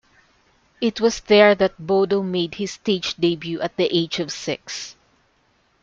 It was there that Bodo made his stage debut at the age of six.